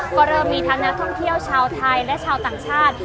ก็เริ่มมีทั้งนักท่องเที่ยวชาวไทยและชาวต่างชาติ